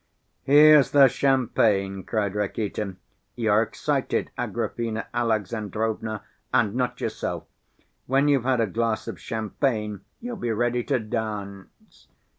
"Here's the champagne!" cried Rakitin. "You're excited, Agrafena Alexandrovna, and not yourself. When you've had a glass of champagne, you'll be ready to dance.